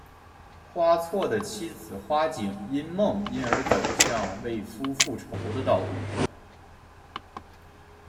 花错的妻子花景因梦因而走向为夫复仇的道路。